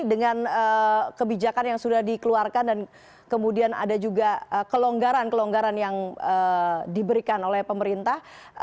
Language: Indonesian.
dengan kebijakan yang sudah dikeluarkan dan kemudian ada juga kelonggaran kelonggaran yang diberikan oleh pemerintah